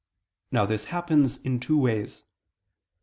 Now, this happens in two ways.